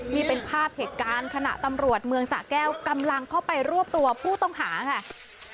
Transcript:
นี่เป็นภาพเหตุการณ์ขณะตำรวจเมืองสะแก้วกำลังเข้าไปรวบตัวผู้ต้องหาค่ะ